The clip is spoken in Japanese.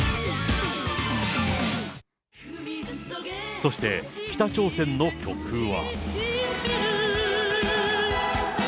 そして、北朝鮮の曲は。